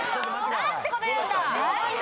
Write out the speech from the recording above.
何てこと言うんだ！